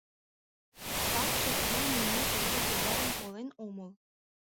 Такше тудлан нимо тыгай-тугайым ойлен омыл.